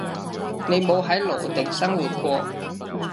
你冇喺羅定生活過